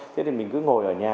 thế thì mình cứ ngồi ở nhà